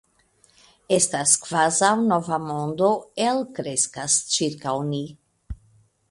Estas kvazaŭ nova mondo elkreskas ĉirkaŭ ni.